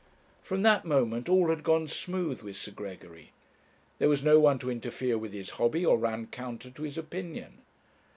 From that moment all had gone smooth with Sir Gregory; there was no one to interfere with his hobby, or run counter to his opinion.